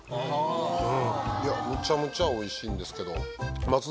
むちゃむちゃおいしいんですけど。